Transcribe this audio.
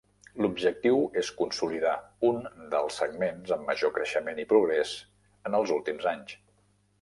L'objectiu és consolidar un dels segments amb major creixement i progrés en els últims anys.